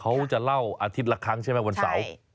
เขาจะเล่าอาทิตย์ละครั้งใช่ไหมวันเสาร์